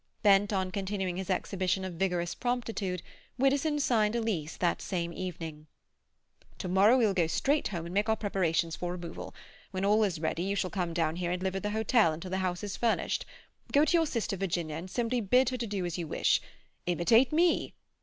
Bent on continuing his exhibition of vigorous promptitude, Widdowson signed a lease that same evening. "To morrow we will go straight home and make our preparations for removal. When all is ready, you shall come down here and live at the hotel until the house is furnished. Go to your sister Virginia and simply bid her do as you wish. Imitate me!"